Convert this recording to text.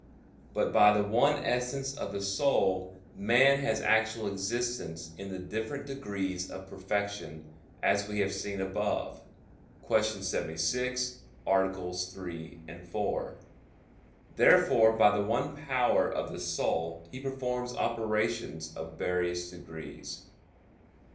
But by the one essence of the soul, man has actual existence in the different degrees of perfection, as we have seen above (Q. 76, AA. 3, 4). Therefore by the one power of the soul he performs operations of various degrees.